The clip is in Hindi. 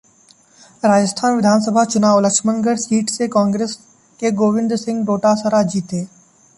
राजस्थान विधानसभा चुनाव: लक्ष्मणगढ़ सीट से कांग्रेस के गोविंद सिंह डोटासरा जीते